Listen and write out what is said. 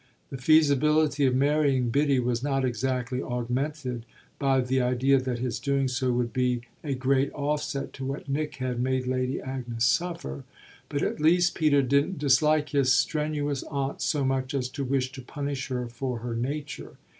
The feasibility of marrying Biddy was not exactly augmented by the idea that his doing so would be a great offset to what Nick had made Lady Agnes suffer; but at least Peter didn't dislike his strenuous aunt so much as to wish to punish her for her nature.